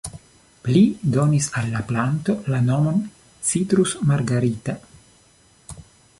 Li donis al la planto la nomon "Citrus margarita".